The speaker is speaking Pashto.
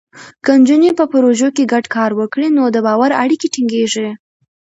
که نجونې په پروژو کې ګډ کار وکړي، نو د باور اړیکې ټینګېږي.